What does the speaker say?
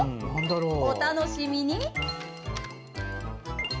お楽しみに！